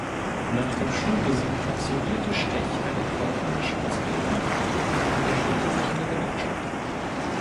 Nach dem Schulbesuch absolvierte Stech eine kaufmännische Ausbildung und engagierte sich in der Gewerkschaft.